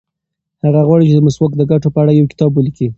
هغه غواړي چې د مسواک د ګټو په اړه یو کتاب ولیکي.